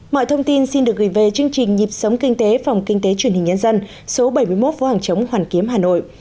mọi thông tin xin được gửi về chương trình nhịp sống kinh tế phòng kinh tế truyền hình nhân dân số bảy mươi một phố hàng chống hoàn kiếm hà nội